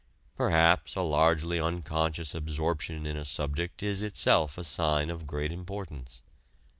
Perhaps a largely unconscious absorption in a subject is itself a sign of great importance.